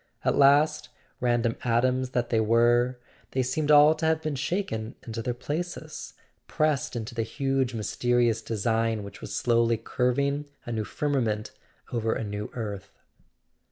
At last, random atoms that they were, they seemed all to have been shaken into their places, pressed into the huge mysterious design which was slowly curving a new firmament over a new earth.